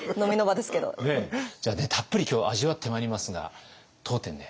じゃあねたっぷり今日は味わってまいりますが当店ね